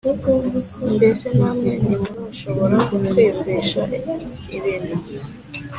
Mbese namwe ntimurashobora kwiyumvisha ibintu